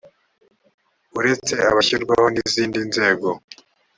uretse abashyirwaho n izindi nzego